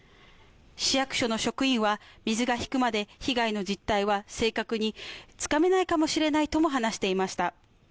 市役所の職員は、水が引くまで被害の実態は正確につかめないかもしれないとも話していました。